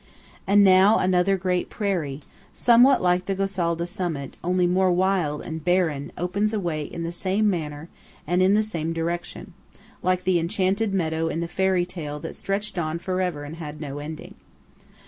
And now another great prairie, somewhat like the Gosalda summit, only more wild and barren, opens away in the same manner and in the same direction, like the enchanted meadow in the fairy tale that stretched on for ever and had no ending.